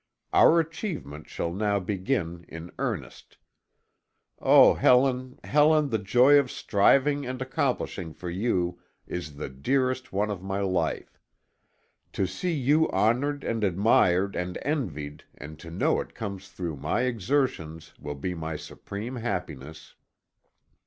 Our achievements shall now begin in earnest. Oh, Helen, Helen, the joy of striving and accomplishing for you is the dearest one of my life. To see you honored and admired and envied, and to know it comes through my exertions will be my supreme happiness."